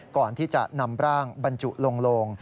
ก่อนที่จะนำร่างบรรจุลงโลง